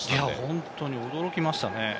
本当に驚きましたね。